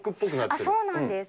そうなんです。